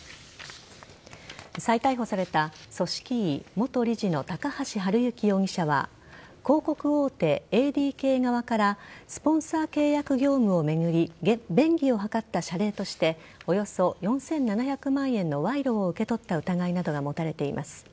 再逮捕された組織委・元理事の高橋治之容疑者は広告大手・ＡＤＫ側からスポンサー契約業務を巡り便宜を図った謝礼としておよそ４７００万円の賄賂を受け取った疑いなどが持たれています。